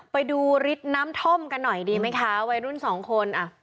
ไปดูฤทธิ์น้ำท่อมกันหน่อยดีไหมคะวัยรุ่นสองคนอ่ะ